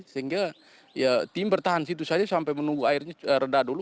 sehingga ya tim bertahan situ saja sampai menunggu airnya reda dulu